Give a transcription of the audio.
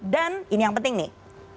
dan ini yang penting nih